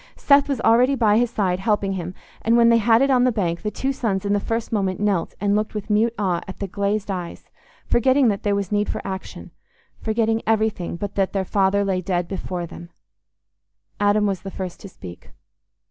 Seth was already by his side, helping him, and when they had it on the bank, the two sons in the first moment knelt and looked with mute awe at the glazed eyes, forgetting that there was need for action—forgetting everything but that their father lay dead before them. Adam was the first to speak.